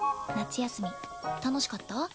夏休み楽しかった？